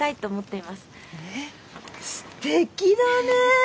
えっすてきだね！